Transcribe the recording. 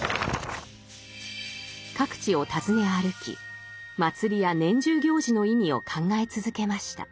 各地を訪ね歩き祭りや年中行事の意味を考え続けました。